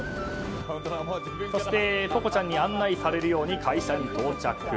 そして、ぽこちゃんに案内されるように会社に到着。